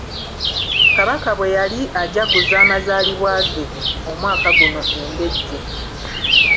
Kabaka bwe yali ajaguza amazaalibwa ge omwaka guno e Ndejje.